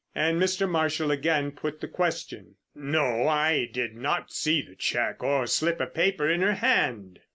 And Mr. Marshall again put the question. "No, I did not see a cheque or slip of paper in her hand."